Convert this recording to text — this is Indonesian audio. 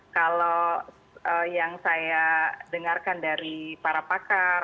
kalau yang saya dengarkan dari para pakar